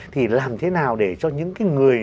thì làm thế nào để cho những người